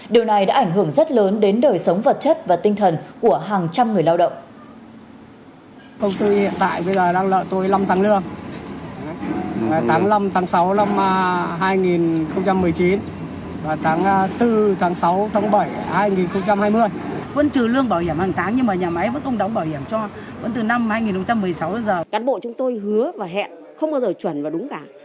điều này đã ảnh hưởng rất lớn đến đời sống vật chất và tinh thần của hàng trăm người lao động